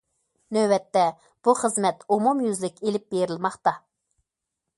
نۆۋەتتە بۇ خىزمەت ئومۇميۈزلۈك ئېلىپ بېرىلماقتا.